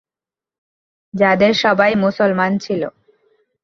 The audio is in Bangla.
যাদের সবাই মুসলমান ছিল।